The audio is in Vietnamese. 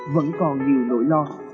vẫn còn nhiều nỗi lo